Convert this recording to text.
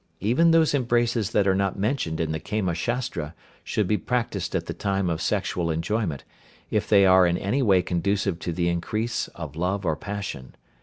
Even those embraces that are not mentioned in the Kama Shastra should be practised at the time of sexual enjoyment, if they are in any way conducive to the increase of love or passion.